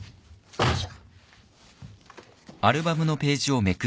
よいしょ。